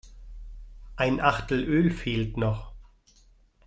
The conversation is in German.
Ein Achtel Öl fehlt noch.